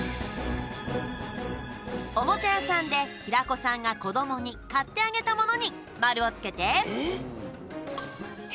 おもちゃ屋さんで平子さんが子どもに買ってあげたものに丸をつけて。